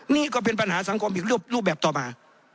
นี่ก็เป็นปัญหาสังคมอีกรูปแบบต่อมา